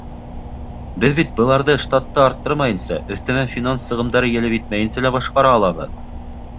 Беҙ бит быларҙы штатты арттырмайынса, өҫтәмә финанс сығымдары йәлеп итмәйенсә лә башҡара алабыҙ.